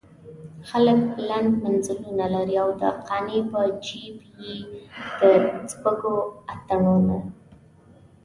خلک بلند منزلونه لري او د قانع په جيب کې د سپږو اتڼونه.